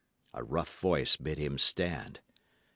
A rough voice bid him stand.